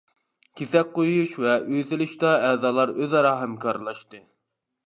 كېسەك قۇيۇش ۋە ئۆي سېلىشتا ئەزالار ئۆز-ئارا ھەمكارلاشتى.